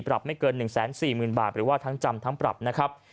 ไม่เกิน๑๔๐๐๐บาทหรือว่าทั้งจำทั้งปรับนะครับ